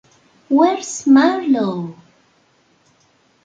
Where's Marlowe?